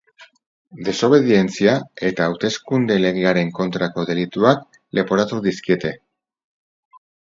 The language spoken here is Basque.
Desobedientzia eta hauteskunde legearen kontrako delituak leporatu dizkiete.